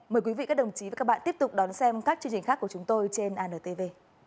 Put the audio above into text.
mời quý vị các đồng chí và các bạn tiếp tục đón xem các chương trình khác của chúng tôi trên antv